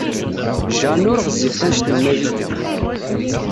Jane ur ɣezzifet anect n Malika.